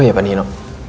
oh ya pak nino